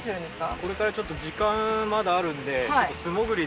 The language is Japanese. これからちょっと時間まだあるんで。